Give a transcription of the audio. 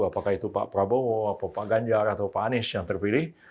apakah itu pak prabowo atau pak ganjar atau pak anies yang terpilih